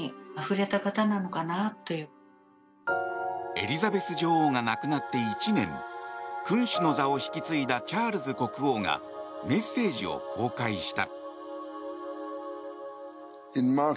エリザベス女王が亡くなって１年君主の座を引き継いだチャールズ国王がメッセージを公開した。